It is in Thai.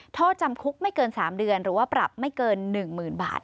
โทษจำคุกไม่เกิน๓เดือนหรือว่าปรับไม่เกิน๑๐๐๐บาท